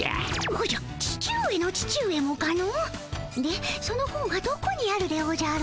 おじゃ父上の父上もかの？でその本はどこにあるでおじゃる？